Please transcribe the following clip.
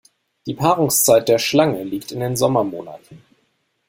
Die Paarungszeit der Schlange liegt in den Sommermonaten.